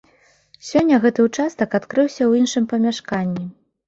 Сёння гэты ўчастак адкрыўся ў іншым памяшканні.